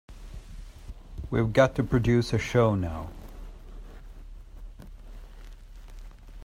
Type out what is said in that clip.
We've got to produce a show now.